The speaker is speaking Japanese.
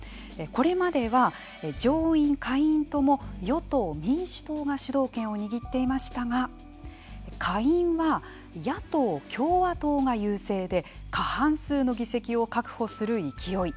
これまでは上院・下院とも与党・民主党が主導権を握っていましたが下院は野党・共和党が優勢で過半数の議席を確保する勢い。